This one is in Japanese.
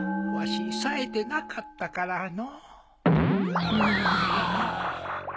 わしさえてなかったからのう。